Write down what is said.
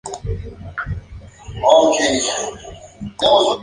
Su primer presidente fue Manuel Lora-Tamayo.